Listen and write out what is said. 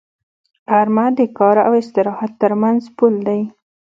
غرمه د کار او استراحت تر منځ پل دی